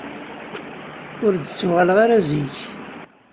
Ur d-ttuɣaleɣ ara zik.